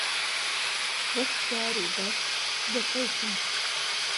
وەک دار و بەرد ده کهوتن